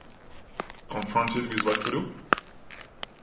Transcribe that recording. Confronted with What to do?